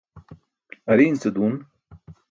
Ariin ce duun.